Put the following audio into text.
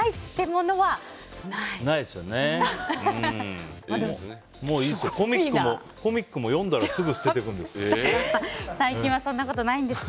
もうコミックも読んだらすぐ捨てていくんです。